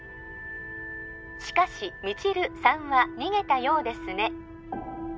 しかし未知留さんは逃げたようですね